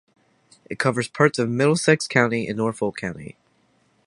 It covers parts of Middlesex County and Norfolk County.